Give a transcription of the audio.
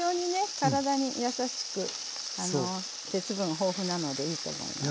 体に優しく鉄分豊富なのでいいと思います。